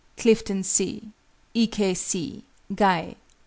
CLIFTON C.... E. K. C. GUY.